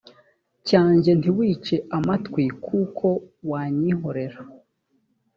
cyanjye ntiwice amatwi kuko wanyihorera